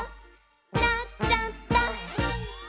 「なっちゃった！」